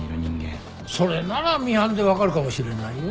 それならミハンで分かるかもしれないよ。